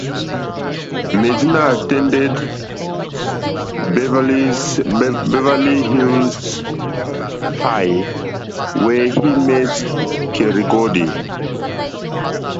Medina attended Beverly Hills High where he met Kerry Gordy.